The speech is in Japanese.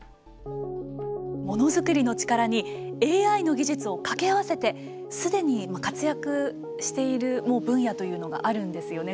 ものづくりの力にＡＩの技術をかけ合わせてすでに活躍している分野というのがあるんですよね。